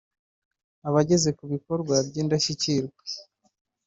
abageze kubikorwa by’indashyikirwa